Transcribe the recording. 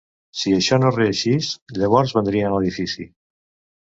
Si això no reïxis, llavors vendrien l’edifici.